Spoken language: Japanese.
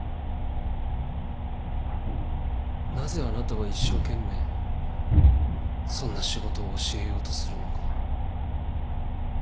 なぜあなたは一生懸命そんな仕事を教えようとするのか。